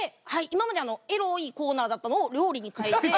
今までエロいコーナーだったのを料理に変えて。